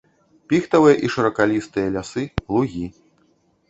Піхтавыя і шыракалістыя лясы, лугі.